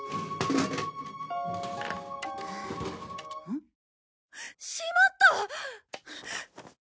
ん？しまった！